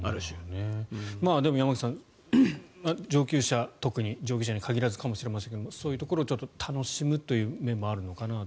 山口さん上級者、特に上級者に限らずかもしれませんが楽しむという面もあるのかなと。